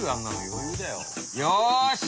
よし！